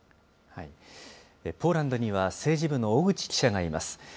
ポーランドには政治部の小口記者がいます。